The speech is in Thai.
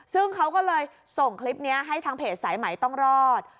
ซึ่งเขาก็เลยส่งคลิปนี้ให้ทางเพจสายใหม่ต้องรอด